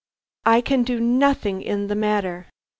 I can do nothing in the matter."